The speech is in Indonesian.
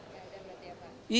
enggak ada berarti apa